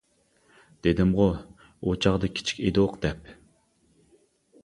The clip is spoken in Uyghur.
-دېدىمغۇ، ئۇ چاغدا كىچىك ئىدۇق، دەپ.